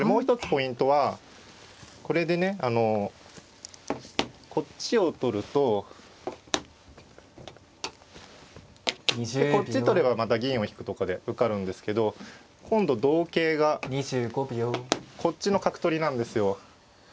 ポイントはこれでねあのこっちを取るとでこっち取ればまた銀を引くとかで受かるんですけど今度同桂がこっちの角取りなんですよ。